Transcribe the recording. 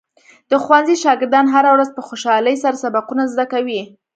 د ښوونځي شاګردان هره ورځ په خوشحالۍ سره سبقونه زده کوي.